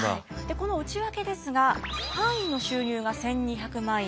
この内訳ですが藩医の収入が１，２００万円。